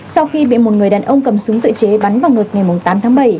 sau khi bị một người đàn ông cầm súng tự chế bắn vào ngợt ngày tám tháng bảy